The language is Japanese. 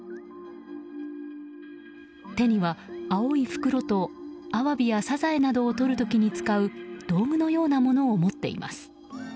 手には、青い袋とアワビやサザエなどをとる時に使う道具のようなものを持っています。